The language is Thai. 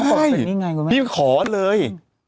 ไม่พี่ขอเลย